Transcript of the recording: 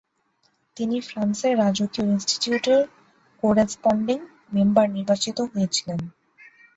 তিনি ফ্রান্সের রাজকীয় ইন্সটিউটের কোরেস্পন্ডিং মেম্বার নির্বাচিত হয়েছিলেন।